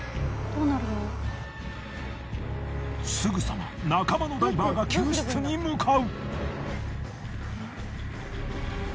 すぐさま仲間のダイバーが救出に向かう。